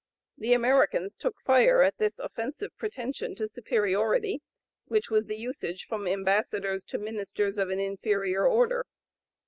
The Americans took fire at this "offensive pretension to superiority" which was "the usage from Ambassadors to Ministers of an inferior order."